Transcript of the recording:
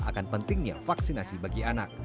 akan pentingnya vaksinasi bagi anak